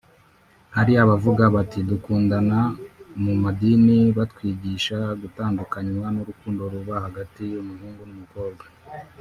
Hari abavuga bati " Gukundana mu madini batwigisha gutandukanywa n’urukundo ruba hagati y’umuhungu n’umukobwa